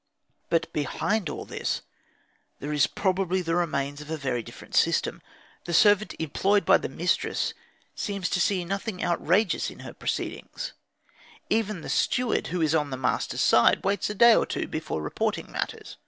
But behind all this there is probably the remains of a very different system. The servant employed by the mistress seems to see nothing outrageous in her proceedings; and even the steward, who is on the master's side, waits a day or two before reporting matters.